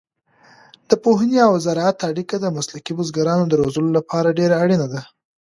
د پوهنې او زراعت اړیکه د مسلکي بزګرانو د روزلو لپاره ډېره اړینه ده.